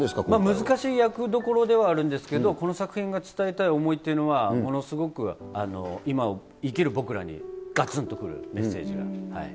難しい役どころではあるんですけど、この作品が伝えたい思いっていうのは、ものすごく、今を生きる僕らにがつんとくるメッセージだと。